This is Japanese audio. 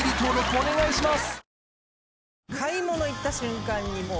お願いします